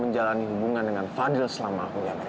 jadi sangat tidak mungkin